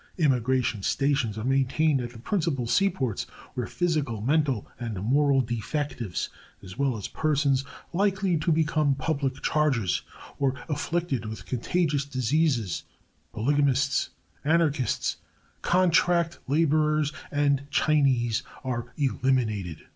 Immigration stations are maintained at the principal seaports, where physical, mental and moral defectives, as well as persons likely to become public charges or afflicted with contagious diseases, polygamists, anarchists, contract laborers and Chinese are eliminated.